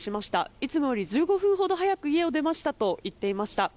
いつもより１５分ほど早く家を出ましたと言っていました。